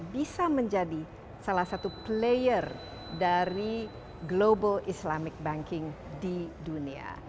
bisa menjadi salah satu player dari global islamic banking di dunia